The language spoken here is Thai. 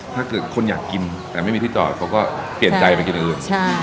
ถ้าเกิดคนอยากกินแต่ไม่มีที่จอดเขาก็เปลี่ยนใจไปกินอื่น